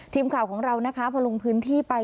ทีมข่าวของเรานะคะพอลงพื้นที่ไป